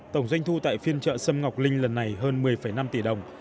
tổng doanh thu tại phiên chợ sâm ngọc linh lần này hơn một mươi năm tỷ đồng